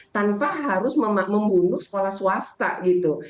tanpa harus membunuh sekolah swasta gitu